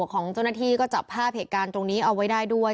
ของเจ้าหน้าที่ก็จับภาพเหตุการณ์ตรงนี้เอาไว้ได้ด้วย